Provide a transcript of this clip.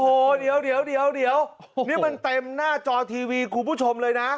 โอ้โหเดี๋ยวนี่มันเต็มหน้าจอทีวีคุณผู้ชมเลยนะ